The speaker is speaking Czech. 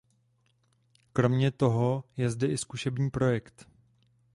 Kromě toho je zde i zkušební projekt.